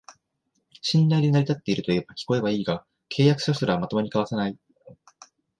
信頼で成り立ってるといえば聞こえはいいが、契約書すらまともに交わさない